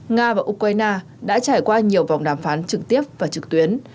nga và ukraine đã trải qua nhiều vòng đàm phán trực tiếp và trực tuyến